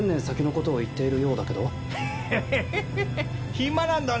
暇なんだね